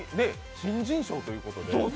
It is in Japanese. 新人賞ということで。